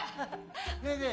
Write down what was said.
ねえねえ